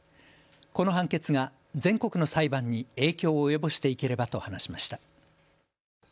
この判決が全国の裁判に影響を及ぼしていければと話しました。